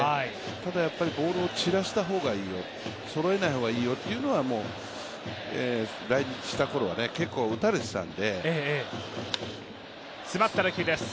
ただ、ボールを散らした方がいいよ、そろえない方がいいよというのは、来日したころは結構打たれていたので。